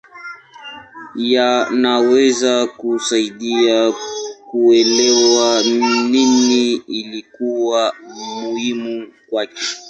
Yanaweza kusaidia kuelewa nini ilikuwa muhimu kwake.